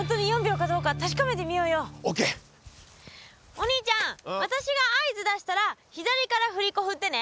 お兄ちゃん私が合図出したら左から振り子振ってね。